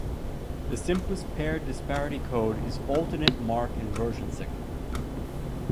The simplest paired disparity code is alternate mark inversion signal.